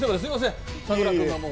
さくら君がもう。